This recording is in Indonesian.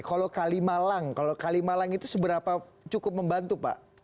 kalau kalimalang kalau kalimalang itu seberapa cukup membantu pak